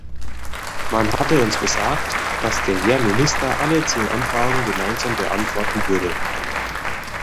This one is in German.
Man hatte uns gesagt, dass der Herr Minister alle zehn Anfragen gemeinsam beantworten würde.